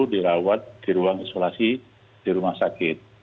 dirawat di ruang isolasi di rumah sakit